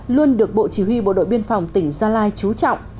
luôn được bộ chỉ huy bộ đội biên phòng tỉnh gia lai trú trọng